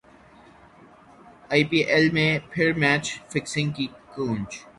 ائی P L میں پھر match fixing کی گونج